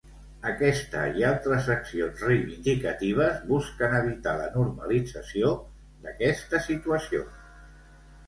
Aquesta i altres accions reivindicatives busquen evitar la normalització d'aquesta situació.